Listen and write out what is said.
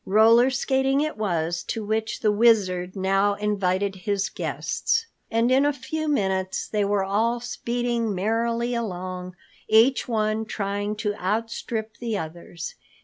Roller skating it was to which the Wizard now invited his guests. And in a few moments they were all speeding merrily along, each one trying to outstrip the others.